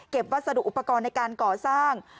วัสดุอุปกรณ์ในการก่อสร้าง